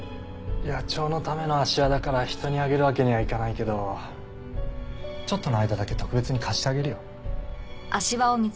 野鳥のための足環だから人にあげるわけにはいかないけどちょっとの間だけ特別に貸してあげるよ。